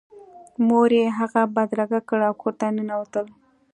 مور یې هغه بدرګه کړ او کور ته ننوتل